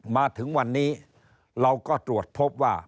มาถึงวันนี้เราก็ตรวจพบว่า